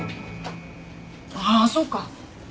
あっそうか。